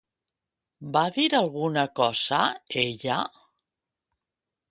Va dir alguna cosa, ella?